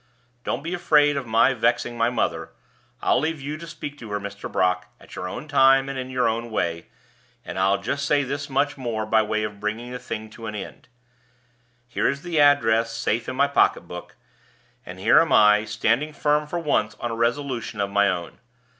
"Don't be afraid of my vexing my mother; I'll leave you to speak to her, Mr. Brock, at your own time and in your own way; and I'll just say this much more by way of bringing the thing to an end. Here is the address safe in my pocket book, and here am I, standing firm for once on a resolution of my own.